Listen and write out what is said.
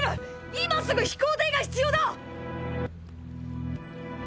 今すぐ飛行艇が必要だ！！